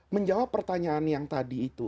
menjawab pertanyaan yang tadi itu